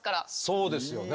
そうですよね。